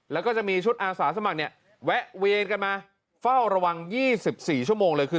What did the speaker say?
แล้วก็จะมีชุดอาสาสมัครเนี่ยแวะเวียนกันมาเฝ้าระวัง๒๔ชั่วโมงเลยคือ